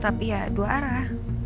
tapi ya dua arah